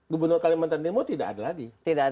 gubernur kalimantan timur tidak ada lagi